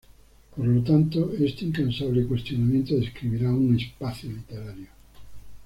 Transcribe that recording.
Por lo tanto, este incansable cuestionamiento describirá un "espacio literario".